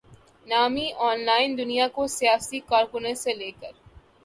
نامی online دنیا کو سیاسی کارکنوں سے لے کر